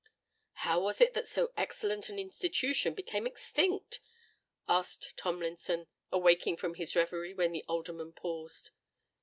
"How was it that so excellent an institution became extinct?" asked Tomlinson, awaking from his reverie when the Alderman paused.